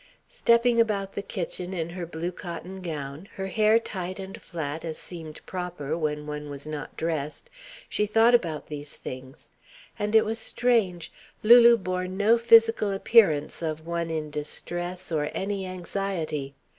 Stepping about the kitchen in her blue cotton gown, her hair tight and flat as seemed proper when one was not dressed, she thought about these things. And it was strange: Lulu bore no physical appearance of one in distress or any anxiety.